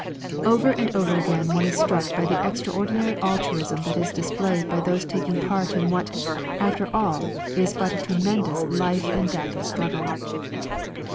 Over and over again one is struck by the extraordinary altruism that is displayed by those taking part in what, after all, is but a tremendous life and death struggle.